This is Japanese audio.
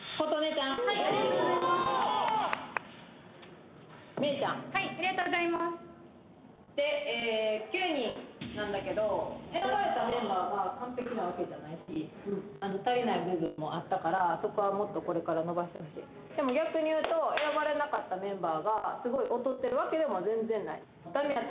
ちゃんありがとうございますめいちゃんありがとうございますで９人なんだけど選ばれたメンバーが完璧なわけじゃないし足りない部分もあったからそこはもっとこれから伸ばしてほしいでも逆に言うと前向けていったらいいかな